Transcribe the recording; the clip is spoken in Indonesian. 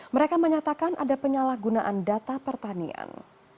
mereka menyatakan ada penyalahgunaan data pertanian